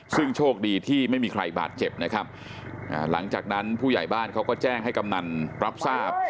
ซึ่งโชคดีที่ไม่มีใครบาดเจ็บนะครับหลังจากนั้นผู้ใหญ่บ้านเขาก็แจ้งให้กำนันรับทราบ